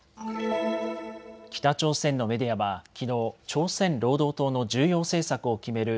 北朝鮮のメディアはきのう、朝鮮労働党の重要政策を決める